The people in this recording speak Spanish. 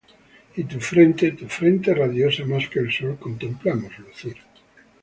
y tu frente, tu frente radiosa mas que el sol contemplamos lucir.